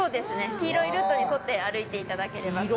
黄色いルートに沿って歩いて頂ければと。